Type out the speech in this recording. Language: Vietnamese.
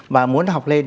mà muốn học lên